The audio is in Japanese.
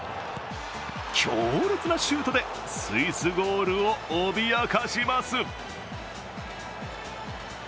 強烈なシュートでスイスゴールを脅かします。